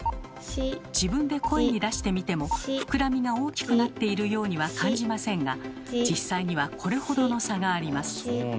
自分で声に出してみてもふくらみが大きくなっているようには感じませんが実際にはこれほどの差があります。